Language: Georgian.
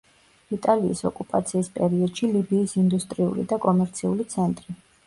იტალიის ოკუპაციის პერიოდში ლიბიის ინდუსტრიული და კომერციული ცენტრი.